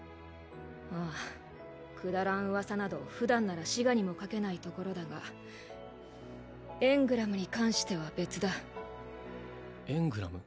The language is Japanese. ああくだらん噂など普段なら歯牙にもかけないところだがエングラムに関しては別だエングラム？